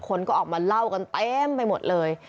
คนก็ออกมาเล่ากันเต็มไปหมดเลย